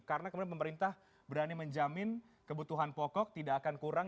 karena kemudian pemerintah berani menjamin kebutuhan pokok tidak akan kurang